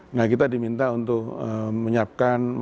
nah kita diminta untuk menyiapkan